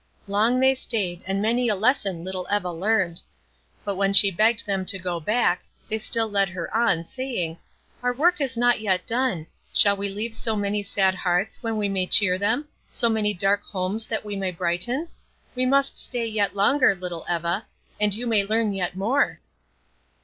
Long they stayed, and many a lesson little Eva learned: but when she begged them to go back, they still led her on, saying, "Our work is not yet done; shall we leave so many sad hearts when we may cheer them, so many dark homes that we may brighten? We must stay yet longer, little Eva, and you may learn yet more."